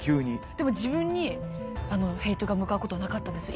でも自分にヘイトが向かうことはなかったんですよ